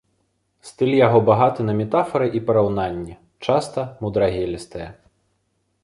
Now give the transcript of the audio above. Стыль яго багаты на метафары і параўнанні, часта мудрагелістыя.